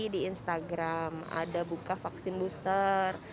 di instagram ada buka vaksin booster